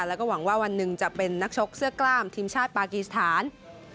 แล้วก็หวังว่าวันหนึ่งจะเป็นนักชกเสื้อกล้ามทีมชาติปากีสถาน